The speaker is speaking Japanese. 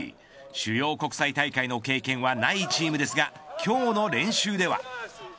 主要国際大会の経験はないチームですが今日の練習では。